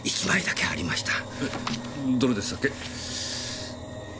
えどれでしたっけ？